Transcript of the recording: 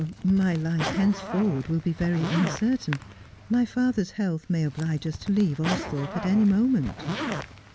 ' My life henceforward will be very uncertain. My father's health may oblige us to leave Austhorpe at any moment.'